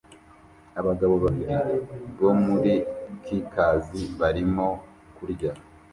Abagabo babiri bo muri Caucase barimo kurya